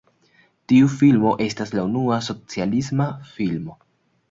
Tiu filmo estas la unua "socialisma filmo".